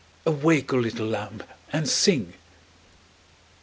Awake, O little lamb, and sing!"